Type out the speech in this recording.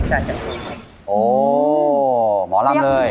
หมอลำเลย